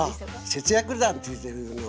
節約だって言ってるのはね